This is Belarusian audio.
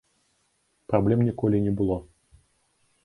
Праблем ніколі не было.